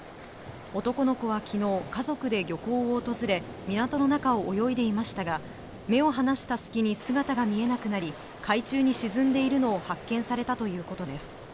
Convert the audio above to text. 男の子はきのう、家族で漁港を訪れ、港の中を泳いでいましたが、目を離した隙に姿が見えなくなり、海中に沈んでいるのを発見されたということです。